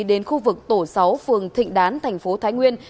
đến khu vực tổ sáu phường thịnh đán tp thái nguyên